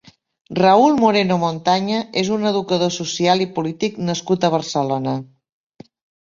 Raúl Moreno Montaña és un educador social i polític nascut a Barcelona.